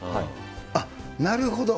あっ、なるほど。